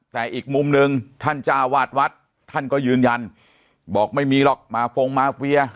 แต่อีกมุมหนึ่งท่านจ้าวาดวัดท่านก็ยืนยันบอกไม่มีหรอกมาฟงมาเฟีย